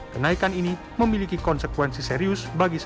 kenaikan ini memiliki konsekuensi serius bagi seribu